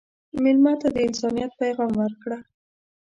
مېلمه ته د انسانیت پیغام ورکړه.